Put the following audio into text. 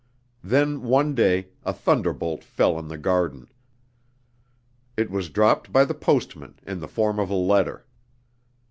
Then, one day, a thunderbolt fell in the garden. It was dropped by the postman, in the form of a letter.